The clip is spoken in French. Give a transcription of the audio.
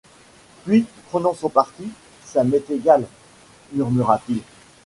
Puis, prenant son parti: — Ça m’est égal, murmura-t-il.